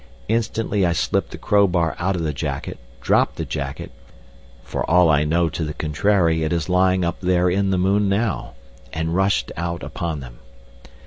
Instantly I slipped the crowbar out of the jacket, dropped the jacket—for all I know to the contrary it is lying up there in the moon now—and rushed out upon them.